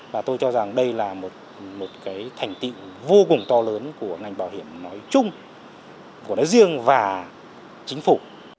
và tôi cho rằng đây là một cái thành tiệu vô cùng to lớn của ngành bảo hiểm nói chung của nói riêng và chính phủ